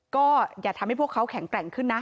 ก็อย่าทำให้พวกเขาแข็งแกร่งขึ้นนะ